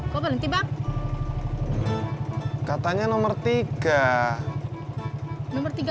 kok berhenti bang katanya nomor tiga nomor tiga